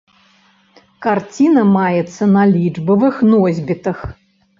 Карціна маецца на лічбавых носьбітах.